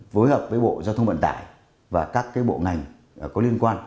phối hợp với bộ giao thông vận tải và các bộ ngành có liên quan